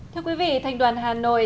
thưa quý vị thành đoàn hà nội